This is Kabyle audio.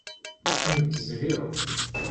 Nekk zhiɣ.